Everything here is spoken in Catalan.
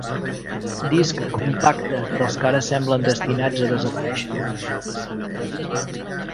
Disc compacte, dels que ara semblen destinats a desaparèixer.